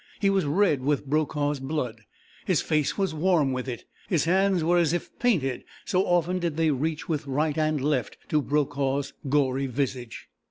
He was red with Brokaw's blood. His face was warm with it. His hands were as if painted, so often did they reach with right and left to Brokaw's gory visage.